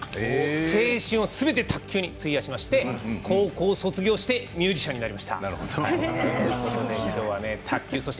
青春をすべて卓球に費やしまして高校卒業してミュージシャンになりました。